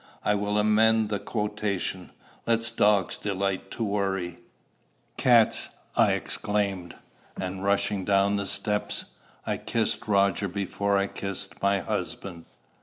I will amend the quotation: 'Let dogs delight to worry'" "Cats," I exclaimed; and rushing down the steps, I kissed Roger before I kissed my husband.